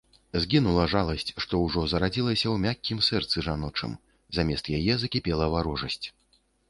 Згінула жаласць, што ўжо зарадзілася ў мяккім сэрцы жаночым, замест яе закіпела варожасць.